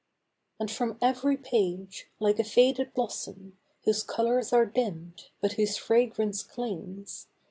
My Records. 97 And from ev'ry page, like a faded blossom, Whose colours are dimm'd, but whose fragrance clings.